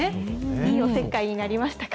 いいおせっかいになりましたか？